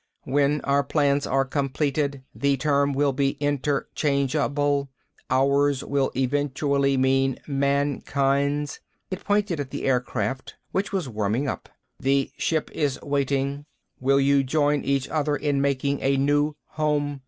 "When our plans are completed, the term will be interchangeable. 'Ours' will eventually mean mankind's." It pointed at the aircraft, which was warming up. "The ship is waiting. Will you join each other in making a new home?"